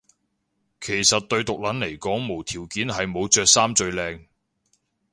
其實對毒撚嚟講無條件係冇着衫最靚